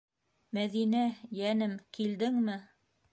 Мәҙинә, йәнем, килдеңме?